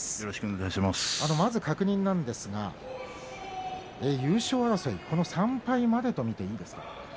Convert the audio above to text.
まず確認なんですが優勝争い、この３敗までと見ていいですか。